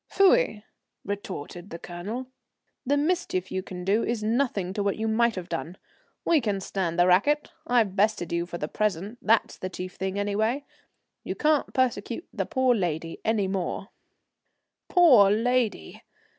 "Pfui!" retorted the Colonel. "The mischief you can do is nothing to what you might have done. We can stand the racket. I've bested you for the present that's the chief thing, anyway. You can't persecute the poor lady any more." "Poor lady!